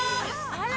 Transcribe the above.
あら！